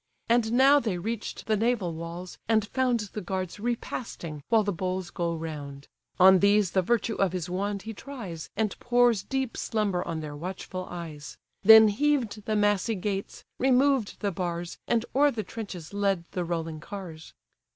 And now they reach'd the naval walls, and found The guards repasting, while the bowls go round; On these the virtue of his wand he tries, And pours deep slumber on their watchful eyes: Then heaved the massy gates, removed the bars, And o'er the trenches led the rolling cars.